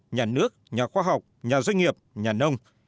nhà nước nhà khoa học nhà doanh nghiệp nhà nông